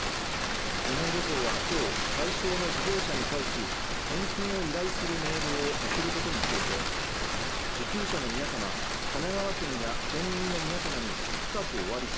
日本旅行はきょう対象の事業者に対し返金を依頼するメールを送ることにしていて受給者の皆様、神奈川県や県民の皆様に深くおわびし